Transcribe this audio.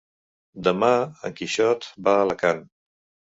Demà en Quixot va a Alacant.